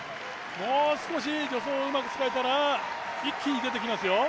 もう少し助走をうまく使えたら、一気に出てきますよ。